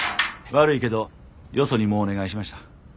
悪いけどよそにもうお願いしました。